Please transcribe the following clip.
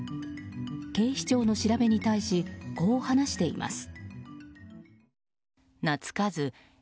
警視庁の調べに対しこう話しています。